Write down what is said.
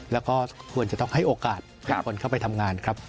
แล้วก็ควรจะต้องให้โอกาสเป็นคนเข้าไปทำงานครับ